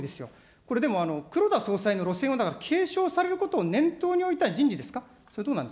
これ、でも黒田総裁の路線を継承されることを念頭に置いた人事ですか。